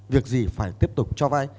việc gì phải tiếp tục cho vay